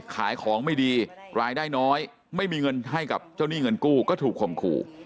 ขายของไม่ดีรายได้น้อยไม่มีเงินให้กับเจ้าหนี้เงินกู้ก็ถูกข่มขู่